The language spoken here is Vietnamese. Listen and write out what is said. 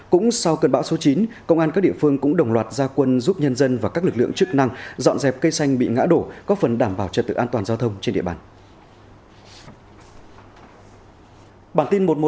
cũng sau cơn bão số chín công an các địa phương cũng đồng loạt gia quân giúp nhân dân và các lực lượng chức năng dọn dẹp cây xanh bị ngã đổ góp phần đảm bảo trật tự an toàn giao thông trên địa bàn